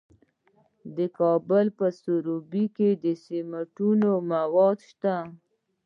د کابل په سروبي کې د سمنټو مواد شته.